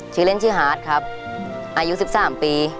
ชื่อเล่นชื่อฮาร์ดครับอายุ๑๓ปี